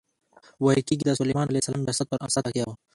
ویل کېږي د سلیمان علیه السلام جسد پر امسا تکیه و.